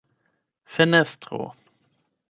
fenestro